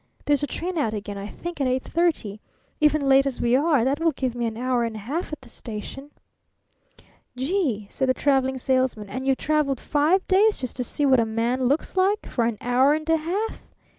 There's a train out again, I think, at eight thirty. Even late as we are, that will give me an hour and a half at the station." "Gee!" said the Traveling Salesman. "And you've traveled five days just to see what a man looks like for an hour and a half?"